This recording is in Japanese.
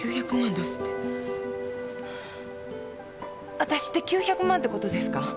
わたしって９００万ってことですか？